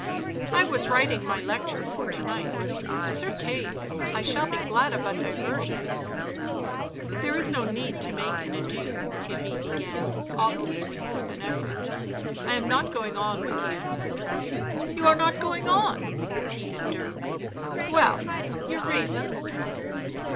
" I was writing my lecture for to night, certes, I shall be glad of a diversion." " There is no need to make an ado," Theirry began, obviously with an effort. " I am not going on with you." "You are not going on?" repeated Dirk. "Well, your reasons?"